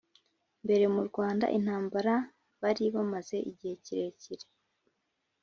mbere mu Rwanda Intambara bari bamaze igihe kirekire